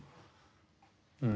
うん。